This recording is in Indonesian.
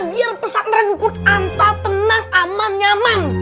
biar pesak tergugut antar tenang aman nyaman